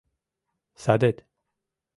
— Садет...